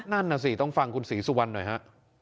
นั่นน่ะสิต้องฟังคุณศรีสุวรรณหน่อยฮะ